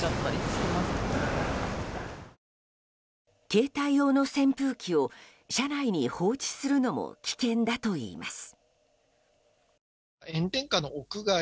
携帯用の扇風機を車内に放置するのも危険だといいます。